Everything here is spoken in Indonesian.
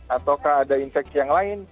ataukah ada infeksi yang lain